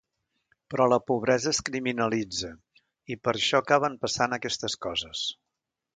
Però la pobresa es criminalitza i per això acaben passant aquestes coses.